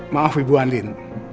maaf ibu andin